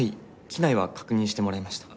機内は確認してもらいました。